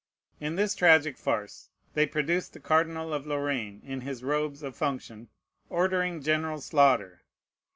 In this tragic farce they produced the Cardinal of Lorraine in his robes of function, ordering general slaughter.